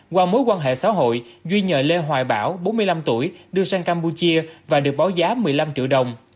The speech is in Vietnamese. qua mối quan hệ xã hội duy nhờ lê hoài bảo bốn mươi năm tuổi đưa sang campuchia và được báo giá một mươi năm triệu đồng